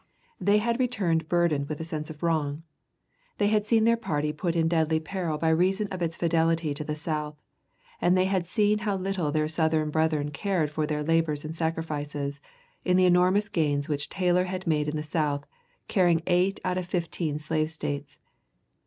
They had returned burdened with a sense of wrong. They had seen their party put in deadly peril by reason of its fidelity to the South, and they had seen how little their Southern brethren cared for their labors and sacrifices, in the enormous gains which Taylor had made in the South, carrying eight out of fifteen slave States.